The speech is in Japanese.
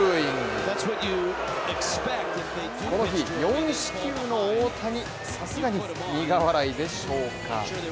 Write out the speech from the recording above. この日、４四球の大谷さすがに苦笑いでしょうか